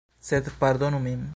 Sed pardonu min.